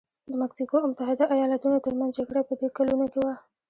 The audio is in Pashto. د مکسیکو او متحده ایالتونو ترمنځ جګړه په دې کلونو کې وه.